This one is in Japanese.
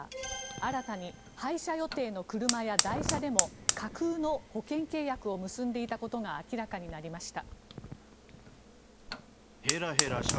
新たに廃車予定の車や代車でも架空の保険契約を結んでいたことが明らかになりました。